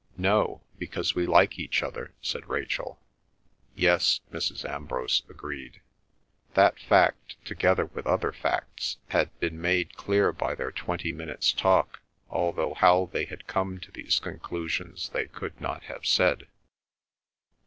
"No; because we like each other," said Rachel. "Yes," Mrs. Ambrose agreed. That fact, together with other facts, had been made clear by their twenty minutes' talk, although how they had come to these conclusions they could not have said.